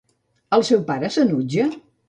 El seu pare s'enutja?